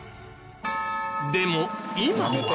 でも今は